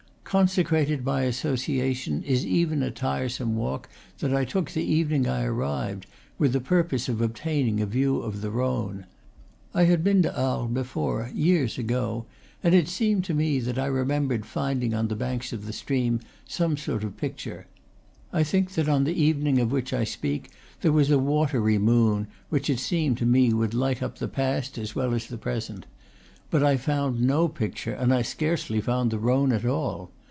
Consecrated by association is even a tiresome walk that I took the evening I arrived, with the purpose of obtaining a view of the Rhone. I had been to Arles before, years ago, and it seemed to me that I remembered finding on the banks of the stream some sort of picture. I think that on the evening of which I speak there was a watery moon, which it seemed to me would light up the past as well as the present. But I found no pic ture, and I scarcely found the Rhone at all.